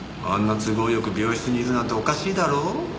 あんな都合よく病室にいるなんておかしいだろ？